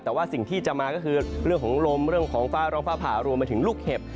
แต่ว่าสิ่งที่จะมาก็คือเรื่องของลมเรื่องของฟ้าร้องฟ้าผ่ารวมไปถึงลูกเห็บ